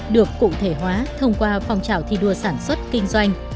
được cụ thể hóa thông qua phong trào thi đua sản xuất kinh doanh